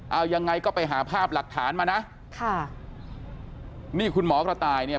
เอายังไงก็ไปหาภาพหลักฐานมานะค่ะนี่คุณหมอกระต่ายเนี่ย